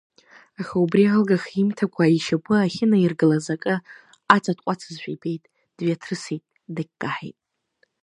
Аха убри алгаха имҭакәа ишьапы ахьынаиргылаз акы аҵаҭҟәацызшәа ибеит, дҩаҭрысит, дагькаҳаит.